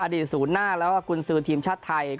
อดิตสูญนาคและกุญสือทีมชาติไทย